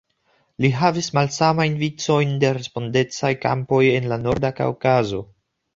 Li havis malsamajn vicojn de respondecaj kampoj en la Norda Kaŭkazo.